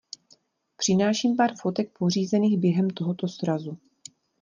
Přináším pár fotek pořízených během tohoto srazu.